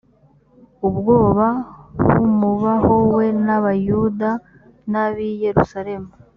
ubwoba bumubaho we n’abayuda n‘ab’ i yerusalemu